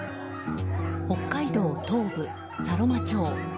北海道東部、佐呂間町。